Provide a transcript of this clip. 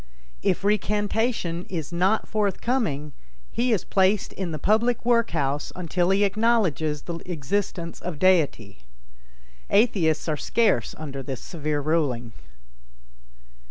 If recantation is not forthcoming, he is placed in the public work house until he acknowledges the existence of Deity. Atheists are scarce under this severe ruling.